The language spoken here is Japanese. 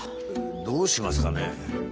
どうしますかね？